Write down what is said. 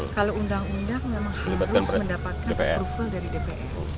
kalau undang undang memang harus mendapatkan approval dari dpr